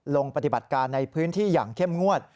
ปฏิบัติการในพื้นที่อย่างเข้มงวด